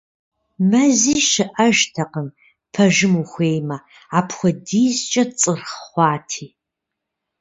Мэзи щыӀэжтэкъым, пэжым ухуеймэ, апхуэдизкӀэ цӀырхъ хъуати.